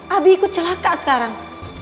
abi ikut celaka sekarang